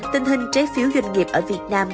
tình hình trái phiếu doanh nghiệp ở việt nam